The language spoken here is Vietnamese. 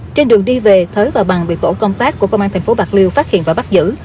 trên đường đi về thới và bằng bị tổ công tác của công an tp bạc liêu phát hiện và bắt giữ